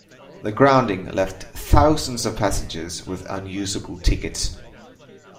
The grounding left thousands of passengers with unusable tickets.